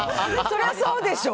そりゃそうでしょ。